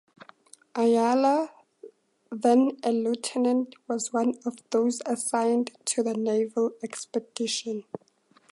Ayala, then a Lieutenant was one of those assigned to the naval expedition.